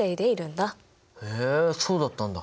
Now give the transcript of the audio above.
へえそうだったんだ。